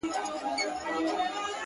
او د خپل زړه په تصور كي مي-